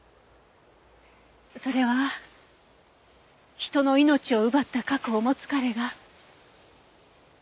それは人の命を奪った過去を持つ彼が。